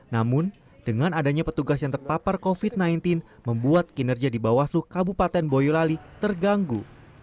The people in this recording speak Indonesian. namun dengan adanya petugas yang terpapar covid sembilan belas membuat kinerja di bawaslu kabupaten boyolali terganggu